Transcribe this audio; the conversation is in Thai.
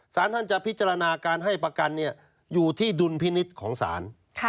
สารท่านจะพิจารณาการให้ประกันอยู่ที่ดุลพินิษฐ์ของศาล